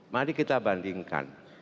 mari kita bandingkan